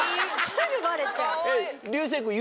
すぐバレちゃう。